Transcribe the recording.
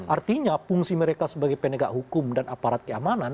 artinya fungsi mereka sebagai penegak hukum dan aparat keamanan